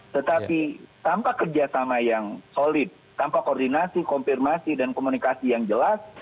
tetapi tanpa kerjasama yang solid tanpa koordinasi konfirmasi dan komunikasi yang jelas